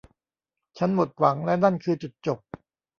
ฉันหมดหวังและนั่นคือจุดจบ